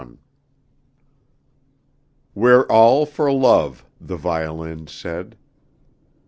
XXI "We're all for love," the violins said.